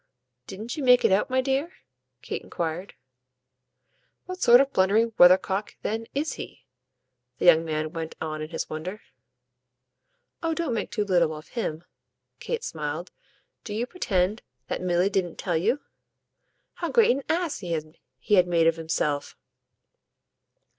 "Didn't you make it out, my dear?" Kate enquired. "What sort of a blundering weathercock then IS he?" the young man went on in his wonder. "Oh don't make too little of him!" Kate smiled. "Do you pretend that Milly didn't tell you?" "How great an ass he had made of himself?"